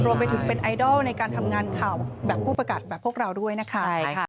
รวมไปถึงเป็นไอดอลในการทำงานข่าวแบบผู้ประกาศแบบพวกเราด้วยนะคะ